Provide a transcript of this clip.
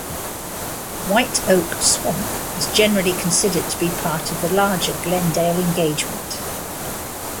White Oak Swamp is generally considered to be part of the larger Glendale engagement.